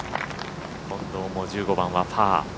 近藤も１５番はパー。